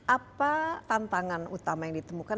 apa tantangan utama yang ditemukan